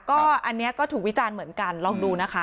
ก็อันนี้ก็ถูกวิจารณ์เหมือนกันลองดูนะคะ